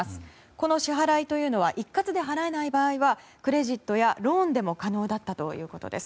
この支払いは一括で払えない場合はクレジットやローンでも可能だったということです。